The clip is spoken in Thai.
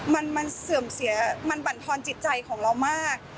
มันเสื่อมเสียมันบรรทอนจิตใจของเรามาก